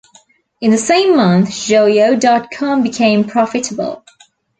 In the same month, Joyo dot com became profitable.